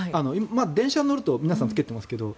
電車に乗ると皆さん着けてますけど